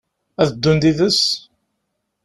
Ad ddun yid-s?